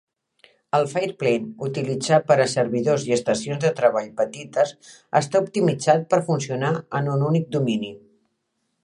El Fireplane utilitzar per a servidors i estacions de treball petites està optimitzat per funcionar en un únic domini.